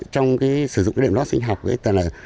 trong cái sử dụng đệm lót sinh học ấy